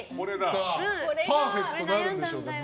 パーフェクトなるんでしょうか。